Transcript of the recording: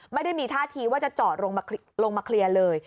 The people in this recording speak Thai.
ไม่ได้มีท่าทีว่าจะจอดลงมาเคลียร์เลย